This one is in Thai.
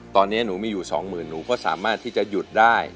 ตอนนี้หนูมีอยู่สองหมื่นหนูก็สามารถที่จะหยุดได้